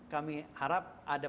kami harap ada